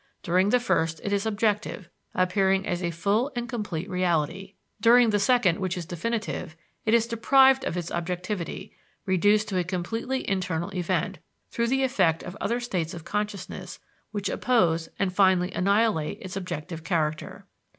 During the first, it is objective, appearing as a full and complete reality; during the second, which is definitive, it is deprived of its objectivity, reduced to a completely internal event, through the effect of other states of consciousness which oppose and finally annihilate its objective character.